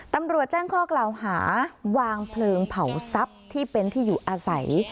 ตำรวจแจ้งข้อกล่าวหาวางเพลิงเผาทรัพย์ที่เป็นที่อยู่อาศัย